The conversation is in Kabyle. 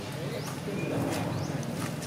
Kemmel hdeṛ.